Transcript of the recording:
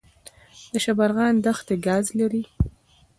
د شبرغان دښتې ګاز لري